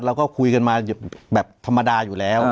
เราก็คุยกันมาแบบธรรมดาอยู่แล้ว